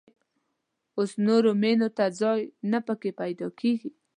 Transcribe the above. اوس نورو مېنو ته ځای نه په کې پيدا کېږي.